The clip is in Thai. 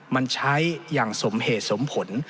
มันใช้อย่างสมเหตุสมผล